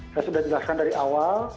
saya sudah jelaskan dari awal